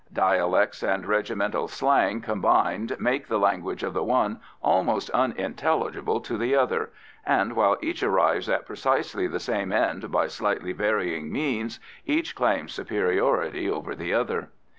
Dialects and regimental slang combined make the language of the one almost unintelligible to the other, and, while each arrives at precisely the same end by slightly varying means, each claims superiority over the other.